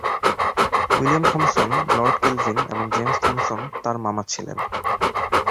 William Thomson, lord Kelvin এবং James Thomson তাঁর মামা ছিলেন।